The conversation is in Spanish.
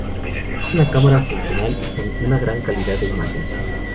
Es una cámara funcional y con una gran calidad de imagen.